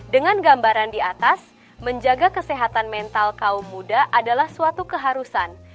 dengan gambaran di atas menjaga kesehatan mental kaum muda adalah suatu keharusan